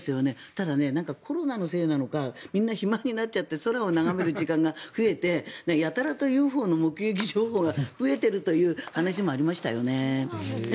ただ、コロナのせいなのかみんな暇になっちゃって空を眺める時間が増えてやたらとＵＦＯの目撃情報が増えているという話もありましたよね。